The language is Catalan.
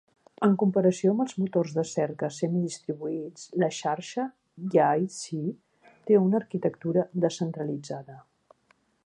En comparació amb els motors de cerca semi-distribuïts, la xarxa YaCy té una arquitectura descentralitzada.